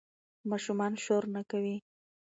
ماشومان شور نه کوي.